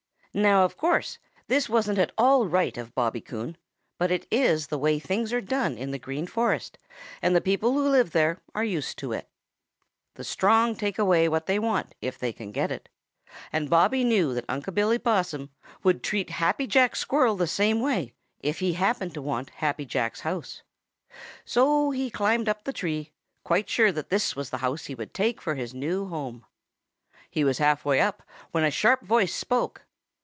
Now, of course, this wasn't at all right of Bobby Coon, but it is the way things are done in the Green Forest, and the people who live there are used to it. The strong take what they want if they can get it, and Bobby knew that Unc' Billy Possum would treat Happy Jack Squirrel the same way, if he happened to want Happy Jack's house. So he climbed up the tree, quite sure that this was the house he would take for his new home. He was half way up when a sharp voice spoke.